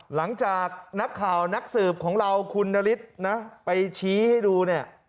หลังจากนักข่าวนักสืบของเราคุณนฤทธิ์นะไปชี้ให้ดูเนี่ย